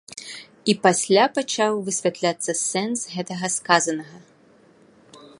І пасля пачаў высвятляцца сэнс гэтага сказанага.